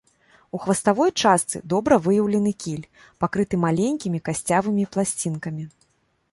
У хваставой частцы добра выяўлены кіль, пакрыты маленькімі касцявымі пласцінкамі.